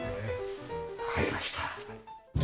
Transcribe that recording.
わかりました。